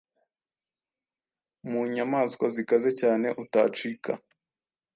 munyamaswa zikaze cyane utacika